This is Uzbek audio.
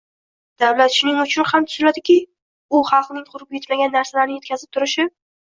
Davlat shuning uchun ham tuziladiki, u xalqning qurbi yetmagan narsalarni yetkazib turishi